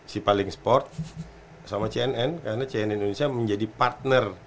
si paling sport sama cnn karena cnn indonesia menjadi partner